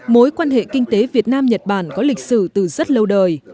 mối quan hệ kinh tế việt nam nhật bản có lịch sử từ rất lâu đời